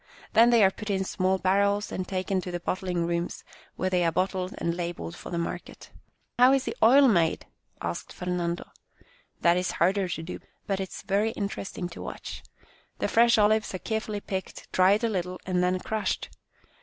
Then they are put in small barrels and taken to the bottling rooms, where they are bottled and labelled for the market." " How is the oil made ?" asked Fernando. " That is harder to do, but it is very interesting to watch. The fresh olives are carefully picked, dried a little, and then crushed.